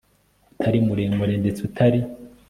utari muremure ndetse utari